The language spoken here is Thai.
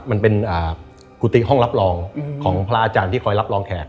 มันเป็นกุฏิห้องรับรองของพระอาจารย์ที่คอยรับรองแขก